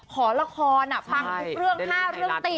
ขอละครฟังทุกเรื่อง๕เรื่องติด